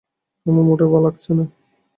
আমার মোটেই ভালো লাগছে না।